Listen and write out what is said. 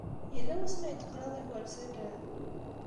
Yella wasmi ay d-teqliḍ igersalen?